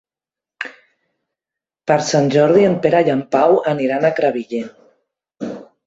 Per Sant Jordi en Pere i en Pau aniran a Crevillent.